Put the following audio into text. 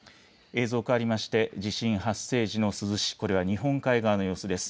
変わりまして地震発生時の珠洲市、これは日本海側の様子です。